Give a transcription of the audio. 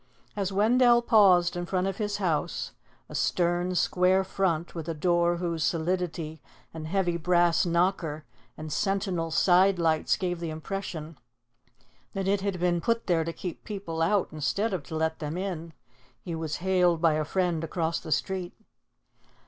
As Wendell paused in front of his house, a stern, square front, with a door whose solidity and heavy brass knocker and sentinel sidelights gave the impression that it had been put there to keep people out instead of to let them in, he was hailed by a friend across the street.